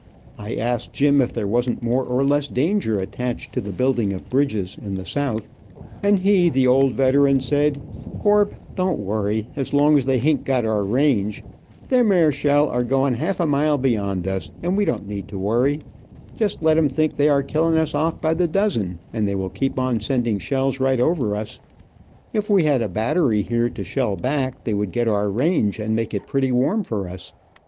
I asked Jim if there wasn't more or less danger attached to the building of bridges, in the South, and he, the old veteran, said: "Corp, don't worry as long as they hain't got our range. Them 'ere shell are going half a mile beyond us, and we don't need to worry. Just let em think they are killing us off by the dozen, and they will keep on sending shells right over us. If we had a battery here to shell back, they would get our range, and make it pretty warm for us.